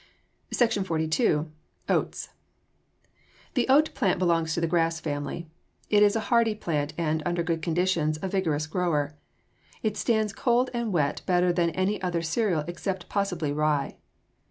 SECTION XLII. OATS The oat plant belongs to the grass family. It is a hardy plant and, under good conditions, a vigorous grower. It stands cold and wet better than any other cereal except possibly rye.